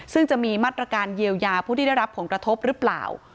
ซึ่งจะมีมาตรการเยียวยาผู้ที่ได้รับผลกระทบหรือเปล่า